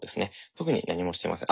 特に何もしてません。